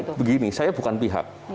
ya karena begini saya bukan pihak